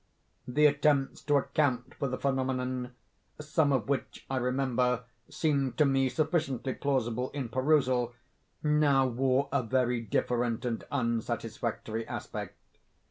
The attempts to account for the phenomenon—some of which, I remember, seemed to me sufficiently plausible in perusal—now wore a very different and unsatisfactory aspect.